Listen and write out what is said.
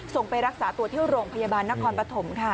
ไปรักษาตัวที่โรงพยาบาลนครปฐมค่ะ